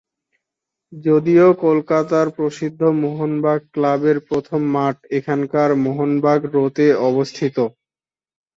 যদিও কলকাতার প্রসিদ্ধ মোহনবাগান ক্লাবের প্রথম মাঠ এখানকার মোহনবাগান রো-তে অবস্থিত।